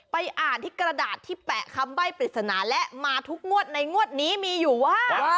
อ่านที่กระดาษที่แปะคำใบ้ปริศนาและมาทุกงวดในงวดนี้มีอยู่ว่า